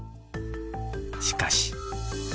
しかし。